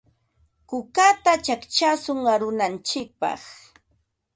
Kukata chaqchashun arunantsikpaq.